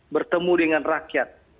bertemu dengan rakyat